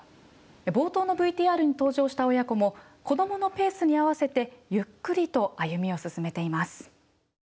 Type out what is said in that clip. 冒頭のＶＴＲに登場した親子も子どものペースに合わせてゆっくりと歩みを進めています。